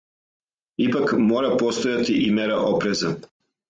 Ипак, мора постојати и мера опреза.